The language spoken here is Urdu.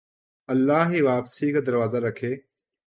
اللہ ہی واپسی کا دروازہ رکھے